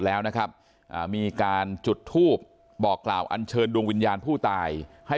แล้วนะครับมีการจุดทูปบอกกล่าวอันเชิญดวงวิญญาณผู้ตายให้